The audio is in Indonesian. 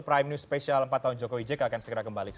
prime news special empat tahun jokowi jk akan segera kembali